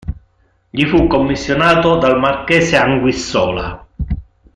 Gli fu commissionato dal marchese Anguissola.